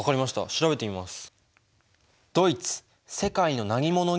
調べてみます。